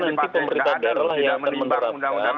nanti pemerintah daerah yang akan menerapkan